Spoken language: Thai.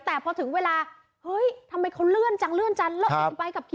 แต่พอถึงเวลาเฮ้ยทำไมเขาเลื่อนจัง